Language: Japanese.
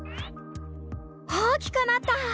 大きくなった！